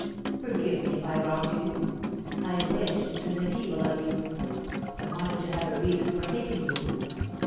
Forgive me if I wronged you. I wisJud to think evil of you. I wanted to have a reason for hating you.'